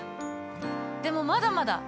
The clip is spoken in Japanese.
でもまだまだ！